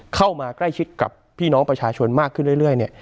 เข้ามาใกล้ชิดกับพี่น้องประชาชนมากขึ้นเรื่อยเนี่ย